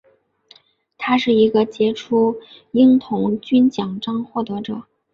他是一个杰出的鹰童军奖章获得者。